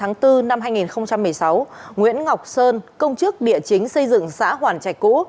ngày bốn hai nghìn một mươi sáu nguyễn ngọc sơn công chức địa chính xây dựng xã hoàn trạch cũ